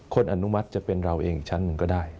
อนุมัติจะเป็นเราเองชั้นหนึ่งก็ได้